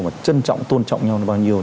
và trân trọng tôn trọng nhau đến bao nhiêu